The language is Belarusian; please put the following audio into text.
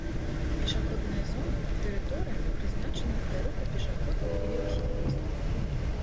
пешаходная зона — тэрыторыя, прызначаная для руху пешаходаў і веласіпедыстаў